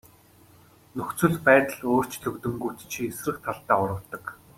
Нөхцөл байдал өөрчлөгдөнгүүт чи эсрэг талдаа урвадаг.